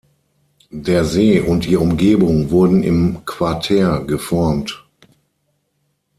Der See und die Umgebung wurden im Quartär geformt.